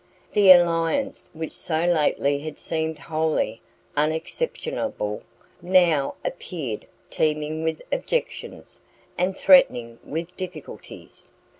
The alliance which so lately had seemed wholly unexceptionable, now appeared teeming with objections, and threatening with difficulties.